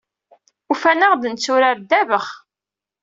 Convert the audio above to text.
Ufan-aɣ-d netturar dddabax.